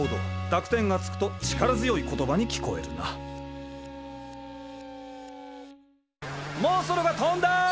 濁点がつくと力強い言葉に聞こえるなモンストロが飛んだ！